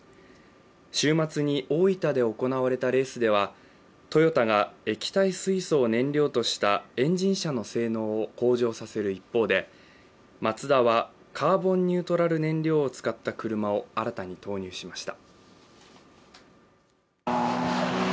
週末に大分で行われたレースでは、トヨタが液体水素を燃料としたエンジン車の性能を向上させる一方でマツダはカーボンニュートラル燃料を使った車を新たに投入しました。